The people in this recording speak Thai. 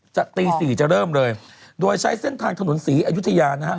วันที่๕ตี๔จะเริ่มเลยโดยใช้เส้นทางถนน๔อยุธยานะฮะ